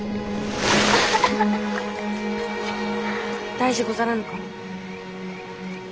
大事ござらぬか？